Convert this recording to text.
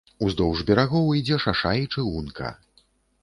Уздоўж берагоў ідзе шаша і чыгунка.